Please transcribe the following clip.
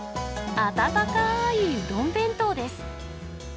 温かーいうどん弁当です。